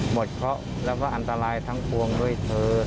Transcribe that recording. เคราะห์แล้วก็อันตรายทั้งปวงด้วยเธอ